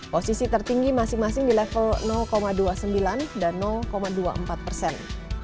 posisi tertinggi masing masing di level dua puluh sembilan dan dua puluh empat persen